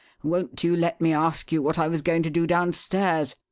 Won't you let me ask you what I was going to do downstairs?